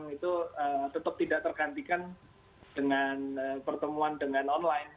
itu tetap tidak tergantikan dengan pertemuan dengan online